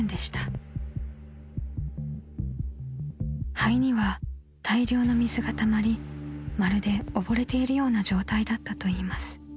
［肺には大量の水がたまりまるで溺れているような状態だったといいます］